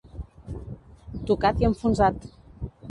Tocat i enfonsat.